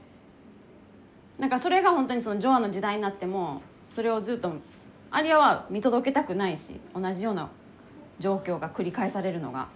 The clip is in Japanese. なんかそれがほんとに承阿の時代になってもそれをずっと阿梨耶は見届けたくないし同じような状況が繰り返されるのが。